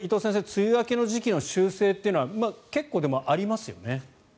梅雨明けの時期の修正というのは結構、でも、ありますよね。